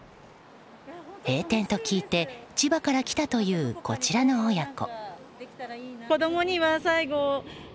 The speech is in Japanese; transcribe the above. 閉店と聞いて千葉から来たというこちらの親子。